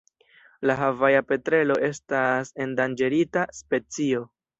La Havaja petrelo estas endanĝerita specio.